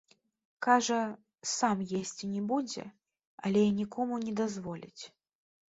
Кажа, сам есці не будзе, але і нікому не дазволіць.